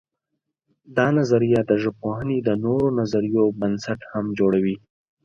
دا نظریه د ژبپوهنې د نورو نظریو بنسټ هم جوړوي.